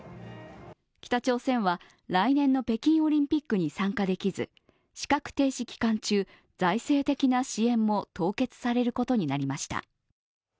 北朝鮮は来年の北京オリンピックに参加できず資格停止期間中、財政的な支援も凍結されることになりました。